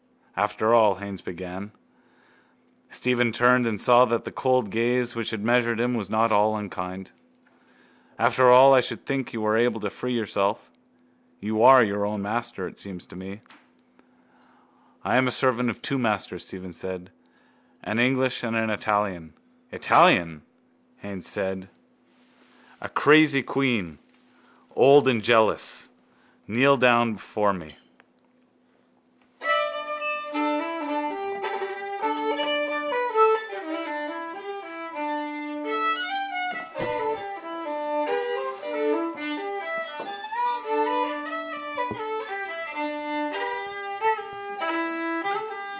—After all, Haines began... Stephen turned and saw that the cold gaze which had measured him was not all unkind. —After all, I should think you are able to free yourself. You are your own master, it seems to me. —I am a servant of two masters, Stephen said, an English and an Italian. —Italian? Haines said. A crazy queen, old and jealous. Kneel down before me.